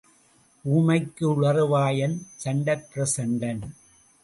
ஊமைக்கு உளறு வாயன் சண்டப் பிரசண்டன்.